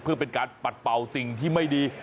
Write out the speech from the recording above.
เพื่อเป็นการปัดเป่าสิ่งที่ไม่ดี